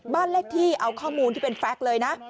บ้านเลขที่เอาข้อมูลที่เป็นแฟคเลยนะ